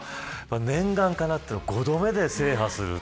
念願かなって５度目で制覇する。